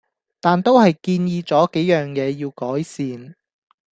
但都係建議左幾樣野要改善